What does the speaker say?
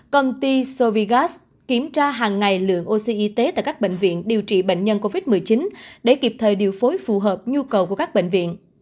công ty sovigas kiểm tra hàng ngày lượng oxy y tế tại các bệnh viện điều trị bệnh nhân covid một mươi chín để kịp thời điều phối phù hợp nhu cầu của các bệnh viện